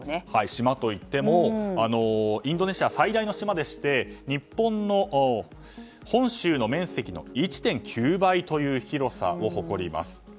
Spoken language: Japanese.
島といってもインドネシア最大の島でして日本の本州の面積の１．９倍という広さを誇ります。